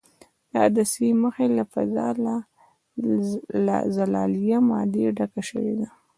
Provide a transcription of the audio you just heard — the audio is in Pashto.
د عدسیې د مخې فضا له زلالیه مادې ډکه شوې ده.